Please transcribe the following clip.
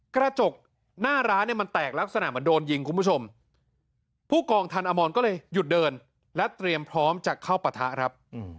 กระจกหน้าร้านเนี่ยมันแตกลักษณะเหมือนโดนยิงคุณผู้ชมผู้กองทันอมรก็เลยหยุดเดินและเตรียมพร้อมจะเข้าปะทะครับ